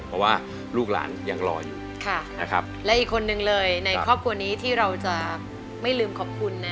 เพราะว่าลูกหลานยังรออยู่นะครับและอีกคนนึงเลยในครอบครัวนี้ที่เราจะไม่ลืมขอบคุณนะ